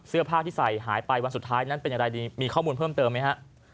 เสื้อผ้าที่ใส่หายไปวันสุดท้ายนั้นเป็นอย่างไรดีมีข้อมูลเพิ่มเติมไหมฮะ